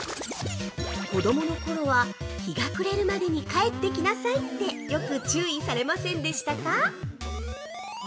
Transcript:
子供のころは、日が暮れる前に帰ってきなさいって、よく注意されませんでしたか？